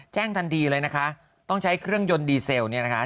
แจ้งทันทีเลยนะคะต้องใช้เครื่องยนต์ดีเซลเนี่ยนะคะ